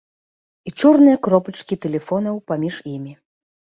І чорныя кропачкі тэлефонаў паміж імі.